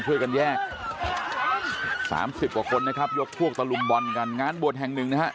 ช่วยกันแยก๓๐กว่าคนนะครับยกพวกตะลุมบอลกันงานบวชแห่งหนึ่งนะฮะ